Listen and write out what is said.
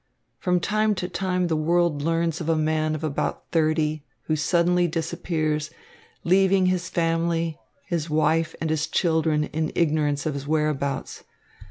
From time to time the world learns of a man of about thirty who suddenly disappears, leaving his family, his wife and his children in ignorance of his whereabouts.